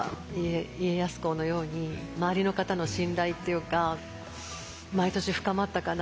家康公のように周りの方の信頼っていうか毎年深まったかな。